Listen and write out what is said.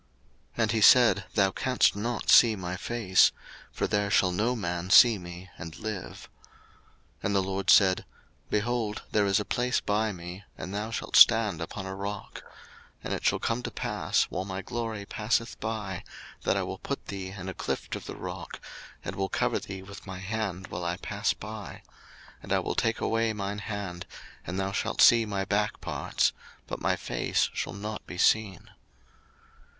02:033:020 And he said, Thou canst not see my face: for there shall no man see me, and live. 02:033:021 And the LORD said, Behold, there is a place by me, and thou shalt stand upon a rock: 02:033:022 And it shall come to pass, while my glory passeth by, that I will put thee in a clift of the rock, and will cover thee with my hand while I pass by: 02:033:023 And I will take away mine hand, and thou shalt see my back parts: but my face shall not be seen.